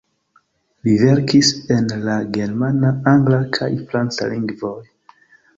Li verkis en la germana, angla kaj franca lingvoj.